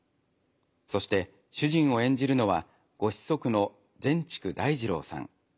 そして主人を演じるのはご子息の善竹大二郎さん。